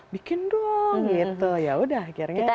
bikin dong gitu yaudah akhirnya bikin lah